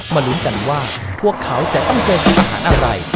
ลุ้นกันว่าพวกเขาจะต้องเจอทีมอาหารอะไร